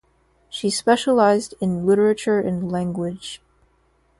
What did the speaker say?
She specialized in literature and language.